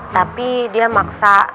tapi dia maksa